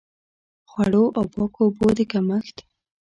خوړو او پاکو اوبو د کمښت.